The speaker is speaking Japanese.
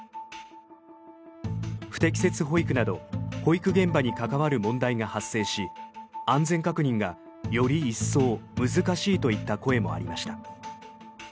不適切保育など保育現場に関わる問題が発生し安全確認がより一層難しいといった声もありました。